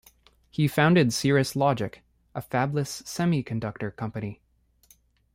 He founded Cirrus Logic, a fabless semiconductor company.